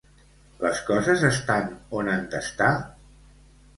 Les coses estan on han d'estar?